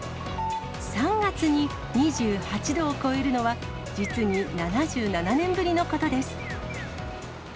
３月に２８度を超えるのは、実に７７年ぶりのことです。